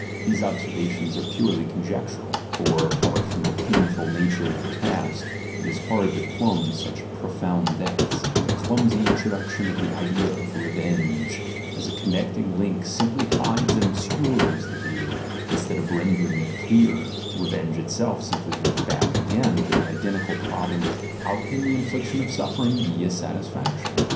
These observations are purely conjectural; for, apart from the painful nature of the task, it is hard to plumb such profound depths: the clumsy introduction of the idea of "revenge" as a con 52 THE GENEALOGY OF MORALS necting link simply hides and obscures the view instead of rendering it clearer (revenge itself simply leads back again to the identical problem — "How can the infliction of suffering be a satisfaction?').